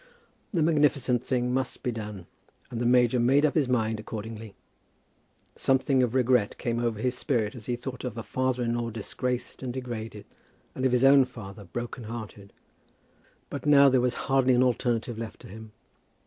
The magnificent thing must be done, and the major made up his mind accordingly. Something of regret came over his spirit as he thought of a father in law disgraced and degraded, and of his own father broken hearted. But now there was hardly an alternative left to him.